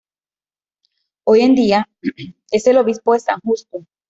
Hoy en día es el Obispo de San Justo.